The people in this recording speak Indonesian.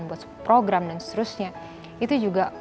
membuat sebuah program dan seterusnya